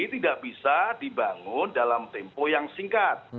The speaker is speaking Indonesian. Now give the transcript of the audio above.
ini tidak bisa dibangun dalam tempo yang singkat